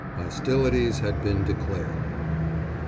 Hostilities had been declared.